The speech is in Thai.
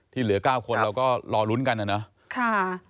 ที่เหลือ๙คนเราก็รอลุ้นกันแล้วเนอะ